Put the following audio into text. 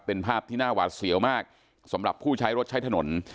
เป็นภาพที่น่าหวาดเสียวมากสำหรับผู้ใช้รถใช้ถนน